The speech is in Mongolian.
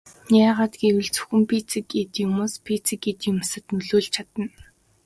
Яагаад гэвэл зөвхөн физик эд юмс физик эд юмсад нөлөөлж чадна.